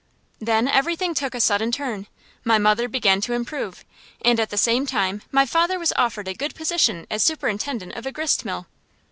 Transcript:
Then everything took a sudden turn. My mother began to improve, and at the same time my father was offered a good position as superintendent of a gristmill.